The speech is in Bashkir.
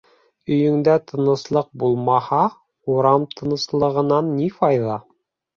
Өйөңдә тыныслыҡ булмаһа, урам тыныслығынан ни файҙа?